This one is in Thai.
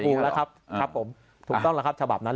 ถูกแล้วครับครับผมถูกต้องแล้วครับฉบับนั้น